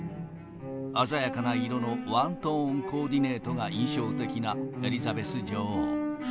鮮やかな色のワントーンコーディネートが印象的なエリザベス女王。